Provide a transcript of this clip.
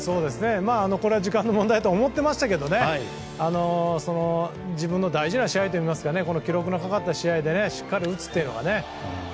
これは時間の問題と思っていましたけど自分の大事な試合といいますか記録のかかった試合でしっかり打つというのがね。